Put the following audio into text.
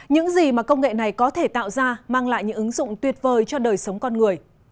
những gì mà công nghệ này có thể tạo ra mang lại những ứng dụng tuyệt vời cho đời sống con người